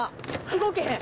動けへん。